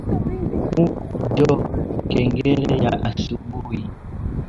Kuku njo kengele ya asubui